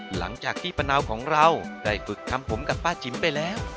หลังจากที่ป้าเนาของเราได้ฝึกทำผมกับป้าจิ๋มไปแล้ว